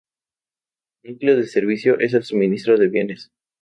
Núcleo del servicio es el suministro de bienes.